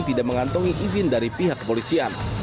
tidak mengantongi izin dari pihak kepolisian